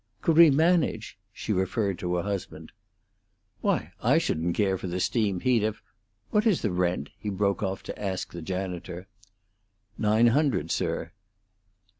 "Could we manage?" she referred to her husband. "Why, I shouldn't care for the steam heat if What is the rent?" he broke off to ask the janitor. "Nine hundred, sir."